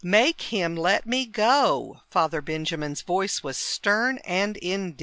"Make him let me go!" Father Benjamin's voice was stern and indignant.